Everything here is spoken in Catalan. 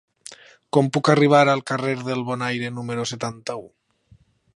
Com puc arribar al carrer del Bonaire número setanta-u?